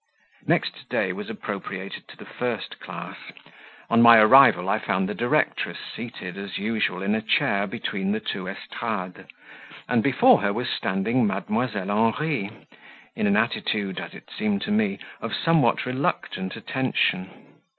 Next day was appropriated to the first class; on my arrival, I found the directress seated, as usual, in a chair between the two estrades, and before her was standing Mdlle. Henri, in an attitude (as it seemed to me) of somewhat reluctant attention.